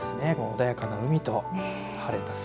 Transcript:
穏やかな海と晴れた空。